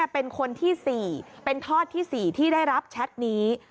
เป็นคนที่๔เป็นทอดที่๔ที่ได้รับแชทนี้